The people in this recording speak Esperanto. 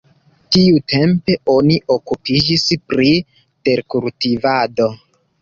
Tiutempe oni okupiĝis pri terkultivado.